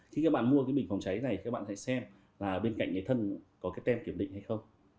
khi các bạn mua cái bình phòng cháy này các bạn hãy xem là bên cạnh cái thân có cái tem kiểm định hay không